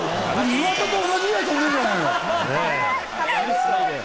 岩田と同じぐらい飛んでるじゃない！